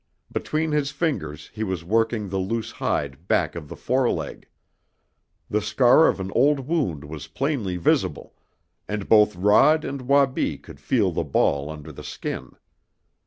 Between his fingers he was working the loose hide back of the foreleg. The scar of an old wound was plainly visible, and both Rod and Wabi could feel the ball under the skin.